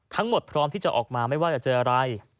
พร้อมที่จะออกมาไม่ว่าจะเจออะไร